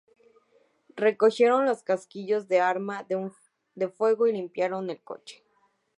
Recogieron los casquillos del arma de fuego y limpiaron el coche.